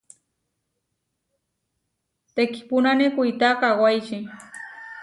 Teʼkipúnane kuitá kawáiči.